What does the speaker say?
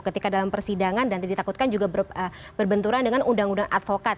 ketika dalam persidangan nanti ditakutkan juga berbenturan dengan undang undang advokat